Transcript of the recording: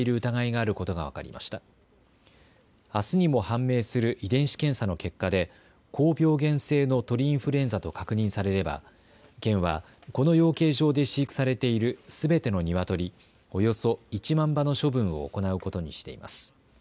あすにも判明する遺伝子検査の結果で、高病原性の鳥インフルエンザと確認されれば、県はこの養鶏場で飼育されているすべてのニワトリ、およそ１万羽の処分を行うことにしています。